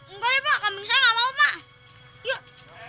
enggak deh pak kambing saya nggak mau pak yuk